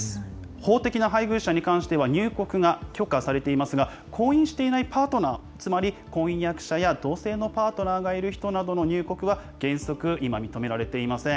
法的な配偶者に関しては入国が許可されていますが、婚姻していないパートナー、つまり婚約者や同性のパートナーがいる人などの入国は原則、今、認められていません。